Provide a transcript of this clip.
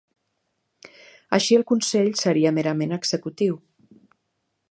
Així el Consell seria merament executiu.